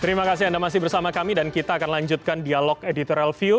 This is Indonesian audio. terima kasih anda masih bersama kami dan kita akan lanjutkan dialog editorial view